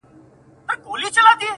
مځکه ئې سره کړه، د پلانۍ ئې پر شپه کړه.